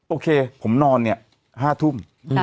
โอเคผมนอนเนี่ย๕ทุ่ม